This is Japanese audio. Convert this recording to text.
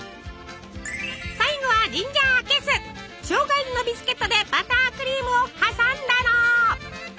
最後はしょうが入りのビスケットでバタークリームを挟んだの。